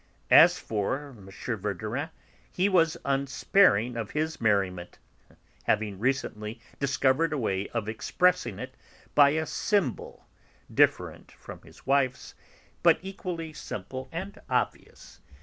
As for M. Verdurin, he was unsparing of his merriment, having recently discovered a way of expressing it by a symbol, different from his wife's, but equally simple and obvious.